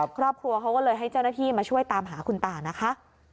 ครอบครัวเขาก็เลยให้เจ้าหน้าที่มาช่วยตามหาคุณตานะคะ